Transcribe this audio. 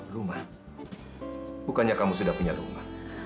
rumah bukannya kamu sudah punya rumah